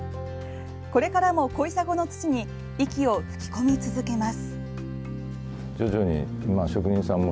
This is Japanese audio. これからも小砂の土に息を吹き込み続けます。